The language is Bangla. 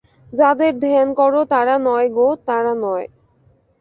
যাদের ধ্যান কর তারা নয় গো, তারা নয়।